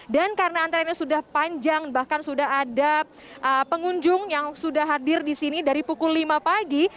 dan karena antreannya sudah panjang bahkan sudah ada pengunjung yang sudah hadir di sini dari pukul lima pagi